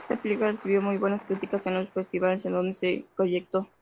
Esta película recibió muy buenas críticas en los festivales en dónde se proyectó.